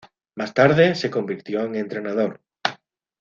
Más tarde, se convirtió en entrenador.